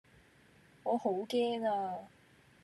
我好驚呀